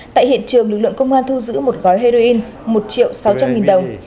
tại hiện trường lực lượng công an thu giữ một gói heroin một triệu sáu trăm linh nghìn đồng